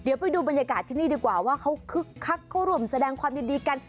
เดี๋ยวไปดูบรรยากาศที่นี่ดีกว่าว่าเขาคึกคักเขาร่วมแสดงความยินดีกัน